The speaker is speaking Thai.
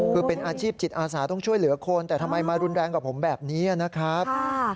คือเป็นอาชีพจิตอาสาต้องช่วยเหลือคนแต่ทำไมมารุนแรงกับผมแบบนี้นะครับ